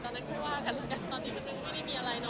ตอนนี้คุยฟ้ากันแล้วกันตอนนี้มันทุกคนไม่ได้มีอะไรนะ